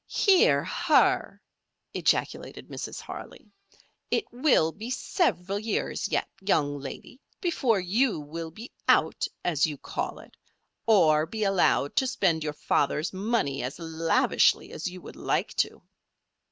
"Hear her!" ejaculated Mrs. Harley. "It will be several years yet, young lady, before you will be 'out,' as you call it, or be allowed to spend your father's money as lavishly as you would like to."